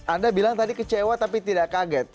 anda bilang tadi kecewa tapi tidak kaget